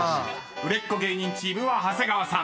［売れっ子芸人チームは長谷川さん。